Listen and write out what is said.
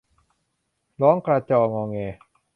ร้องกระจองอแง